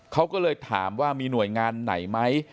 เขาก็เลยถามว่ามีหน่วยงานไหนไหม